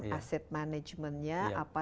asset managementnya apa